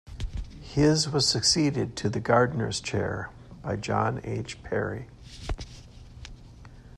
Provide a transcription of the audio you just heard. His was succeeded to the Gardiner's chair by John H. Parry.